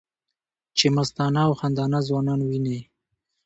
چې مستانه او خندانه ځوانان وینې